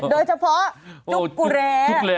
โดยเฉพาะจุกแรจุกแร